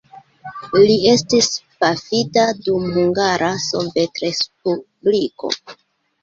Li estis pafita dum Hungara Sovetrespubliko.